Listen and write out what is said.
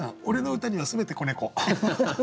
俺の歌にはすべて子猫。